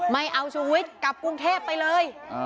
ไม่เอาชูวิทย์กลับกรุงเทพไปเลย